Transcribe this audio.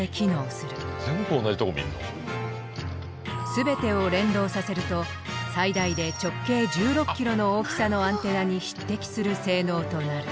全てを連動させると最大で直径１６ｋｍの大きさのアンテナに匹敵する性能となる。